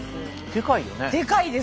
でかいです。